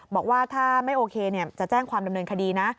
บอกว่าถ้าไม่โอเคจะแจ้งความดำเนินคดีนะ